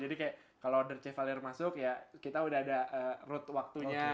jadi kalau order chevalier masuk kita sudah ada rute waktunya